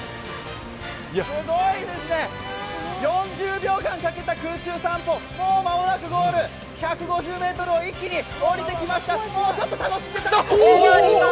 すごいですね、４０秒間かけた空中散歩、もう間もなくゴール、１５０ｍを一気に下りてきました。